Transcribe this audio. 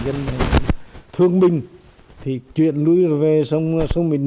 dân thương bình thì chuyển lui rồi về xong